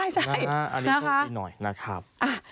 ใช่อันนี้โชคดีหน่อยนะครับ